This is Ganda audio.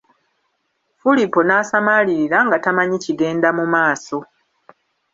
Fulipo n'asamaalirira nga tamanyi kigenda mu maaso.